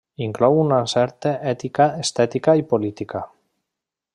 Inclou una certa ètica, estètica i política.